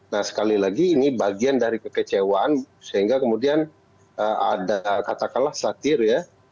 nah sekali lagi ini bagian dari kekecewaan sehingga kemudian ada katakanlah satir ya